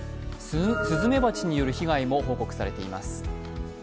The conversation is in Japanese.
スズメバチによる被害も報告されています。